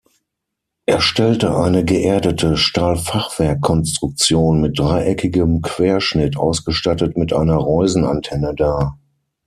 Er stellte eine geerdete Stahlfachwerkkonstruktion mit dreieckigem Querschnitt, ausgestattet mit einer Reusenantenne, dar.